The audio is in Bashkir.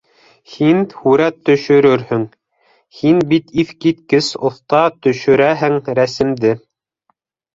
Һин һүрәт төшөрөрһөң! һин бит иҫ киткес оҫта төшөрәһең рәсемде!